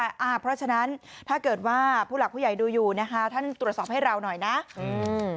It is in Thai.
เพราะฉะนั้นถ้าเกิดว่าผู้หลักผู้ใหญ่ดูอยู่นะคะท่านตรวจสอบให้เราหน่อยนะอืม